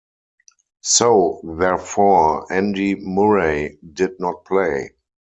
So therefore Andy Murray did not play.